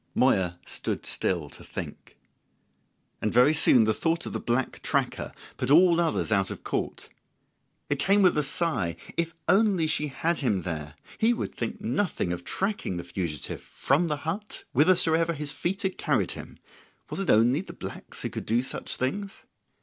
Moya stood still to think; and very soon the thought of the black tracker put all others out of court. It came with a sigh: if only she had him there! He would think nothing of tracking the fugitive from the hut whithersoever his feet had carried him; was it only the blacks who could do such things?